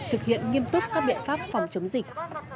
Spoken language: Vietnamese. thực hiện nghiêm túc các biện pháp phòng chống dịch